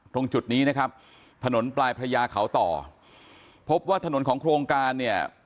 ตรงจุดนี้นะครับถนนปลายพระยาเขาต่อพบว่าถนนของโครงการเนี่ย